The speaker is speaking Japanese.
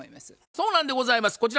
そうなんでございます。